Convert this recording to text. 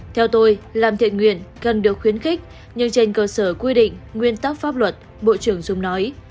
theo tôi làm thiện nguyện cần được khuyến khích nhưng trên cơ sở quy định nguyên tắc pháp luật bộ trưởng dung nói